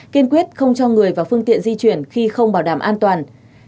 kiên quyết không cho người và phương tiện di chuyển khi không bảo đảm an toàn